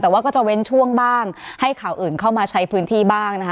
แต่ว่าก็จะเว้นช่วงบ้างให้ข่าวอื่นเข้ามาใช้พื้นที่บ้างนะคะ